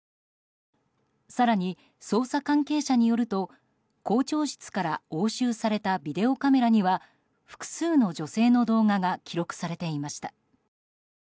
更に捜査関係者によると校長室から押収されたビデオカメラには複数の女性の動画が記録されていました。